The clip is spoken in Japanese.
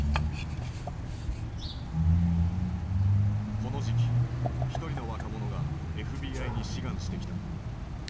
この時期一人の若者がＦＢＩに志願してきた。